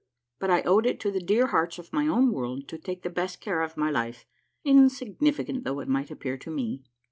But I owed it to the dear hearts of my own world to take the best care of my life, insignificant though it might appear to me.